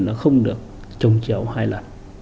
là không được trồng chéo hai lần